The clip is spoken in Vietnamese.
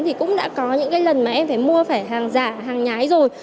thì cũng đã có những cái lần mà em phải mua phải hàng giả hàng nhái rồi